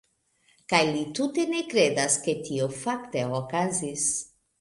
Kaj li tute ne kredas, ke tio fakte okazis.